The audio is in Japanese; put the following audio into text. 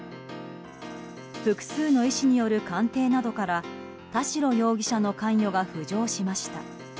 複数の医師による鑑定などから田代容疑者の関与が浮上しました。